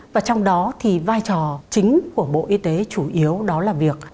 và trong đó thì vai trò chính của bộ y tế chủ yếu đó là việc